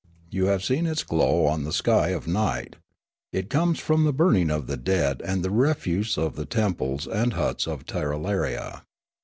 You have seen its glow on the sky of night. It comes from the burning of the dead and of the refuse of the temples and huts of Tirralaria.